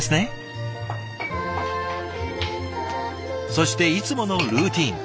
そしていつものルーティン。